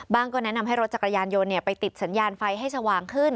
ก็แนะนำให้รถจักรยานยนต์ไปติดสัญญาณไฟให้สว่างขึ้น